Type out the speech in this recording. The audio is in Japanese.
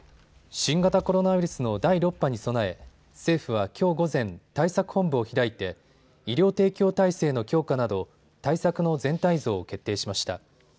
新型コロナウイルスの第６波に備え政府はきょう午前、対策本部を開いて医療提供体制の強化など対策の全体像を決定しました。